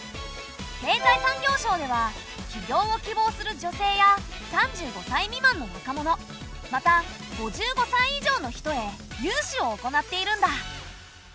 経済産業省では起業を希望する女性や３５歳未満の若者また５５歳以上の人へ融資を行っているんだ。